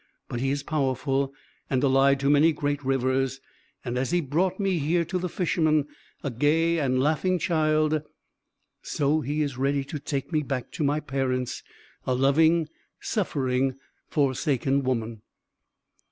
But he is powerful, and allied to many great rivers; and as he brought me here to the Fisherman, a gay and laughing child, so he is ready to take me back to my parents, a loving, suffering, forsaken woman."